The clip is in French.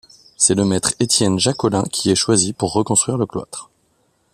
C'est le maître Étienne Jacolin qui est choisi pour reconstruire le cloître.